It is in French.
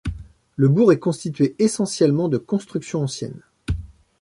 Le bourg est constitué essentiellement de constructions anciennes.